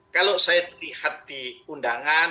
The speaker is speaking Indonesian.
kalau saya lihat di undangan